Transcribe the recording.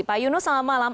pak yunus selamat malam